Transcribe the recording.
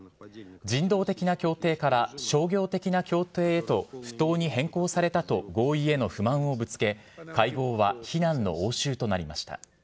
人道的な協定から商業的な協定へと不当に変更されたと合意への不満をぶつけ、会合は非難の応酬となりました。